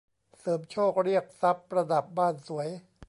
เสริมโชคเรียกทรัพย์ประดับบ้านสวย